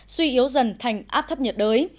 suy yếu dần thành áp thấp nhiệt đới